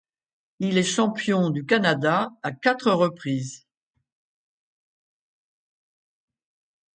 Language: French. Il est champion du Canada à quatre reprises.